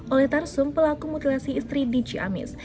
oleh tarsum pelaku mutilasi istri dici amis